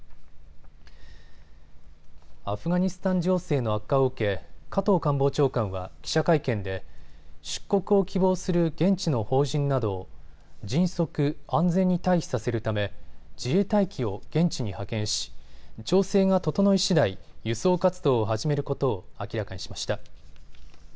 アフガニスタン情勢の悪化を受け加藤官房長官は記者会見で出国を希望する現地の法人など迅速、安全に退避させるため自衛隊機を現地に派遣し調整が整いしだい輸送活動を始めることを明らかにしました。